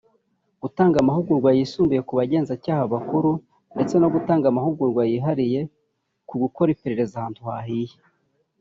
gutanga amahugurwa yisumbuye ku bagenzacyaha bakuru ndetse no gutanga amahugurwa yihariye (gukora iperereza ahantu hahiye